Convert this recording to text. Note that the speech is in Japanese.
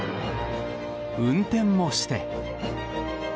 運転もして。